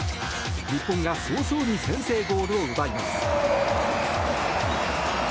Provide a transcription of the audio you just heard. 日本が早々に先制ゴールを奪います。